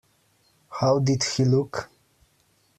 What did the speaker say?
How did he look?